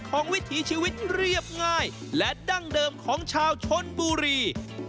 วิถีชีวิตเรียบง่ายและดั้งเดิมของชาวชนบุรี